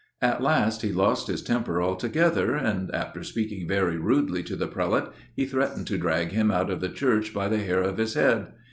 At last he lost his temper altogether, and, after speaking very rudely to the Prelate, he threatened to drag him out of the church by the hair of his head.